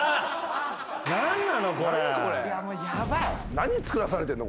何作らされてんの？